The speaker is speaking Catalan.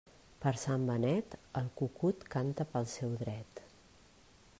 Per Sant Benet, el cucut canta pel seu dret.